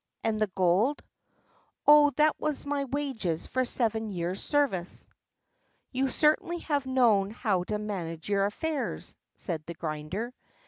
"And the gold?" "Oh, that was my wages for seven years' service." "You certainly have known how to manage your affairs," said the grinder.